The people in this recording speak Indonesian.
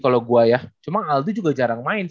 kalau gue ya cuma aldi juga jarang main